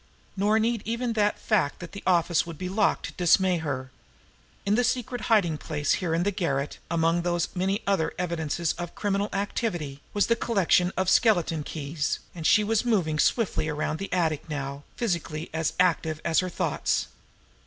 Nor need even the fact that the office would be locked dismay her. In the secret hiding place here in the garret, among those many other evidences of criminal activity, was the collection of skeleton keys, and she was moving swiftly around the attic now, physically as active as her thoughts.